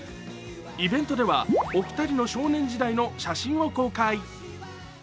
イベントではお二人の少年時代の写真を公開。